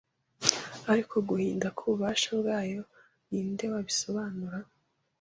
Ariko guhinda k’ububasha bwayo, ni nde wabisobanura?